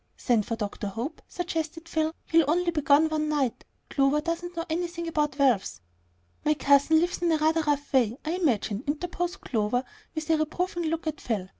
"Send for Dr. Hope," suggested Phil. "He'll only be gone one night. Clover doesn't know anything about valves." "My cousin lives in a rather rough way, I imagine," interposed Clover, with a reproving look at Phil.